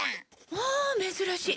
まあ珍しい！